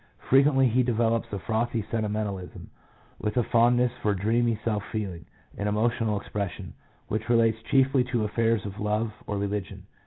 Frequently he develops a frothy sentimentalism, with a fondness for dreamy self feeling and emotional expression, which relates chiefly to affairs of love or religion.